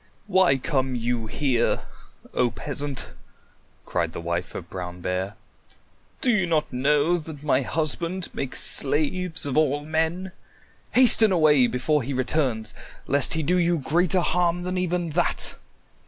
"Why come you here, O Peasant?" cried the wife of Brown Bear. "Do you not know that my husband makes slaves of all men? Hasten away before he returns lest he do you greater harm than even that."